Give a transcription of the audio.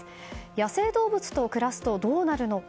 野生動物と暮らすとどうなるのか。